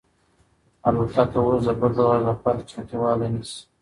الوتکه اوس د بل پرواز لپاره چمتووالی نیسي.